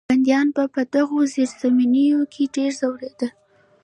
بندیان به په دغو زیرزمینیو کې ډېر ځورېدل.